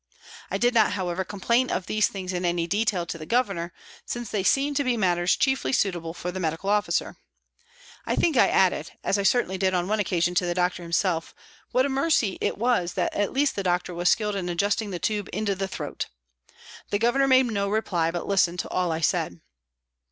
I did not, however, complain of these things in any detail to the Governor, since they seemed to be matters chiefly suitable for the medical officer. I P. u 290 PRISONS AND PRISONERS think I added, as I certainly did on one occasion to the doctor himself, what a mercy it was that at least the doctor was skilled in adjusting the tube into the throat. The Governor made no reply but listened to all I said.